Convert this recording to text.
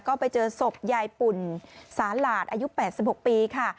ก็ไปเจอศพยายปุ่นสาหลาดอายุ๘๖ปีค่ะ